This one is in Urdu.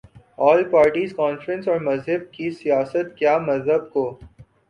آل پارٹیز کانفرنس اور مذہب کی سیاست کیا مذہب کو